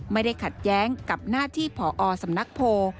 ไม่ได้ขัดแย้งกับหน้าที่ผอสำนักโพล